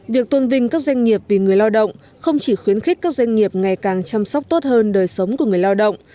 việc tôn vinh các doanh nghiệp vì người lao động không chỉ khuyến khích các doanh nghiệp ngày càng chăm sóc tốt hơn đời sống của người lao động